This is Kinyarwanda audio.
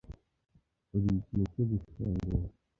Urigihe cyo gufungura.